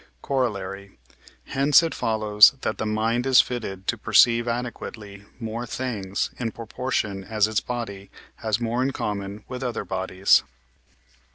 Corollary. Hence it follows that the mind is fitted to perceive adequately more things, in proportion as its body has more in common with other bodies.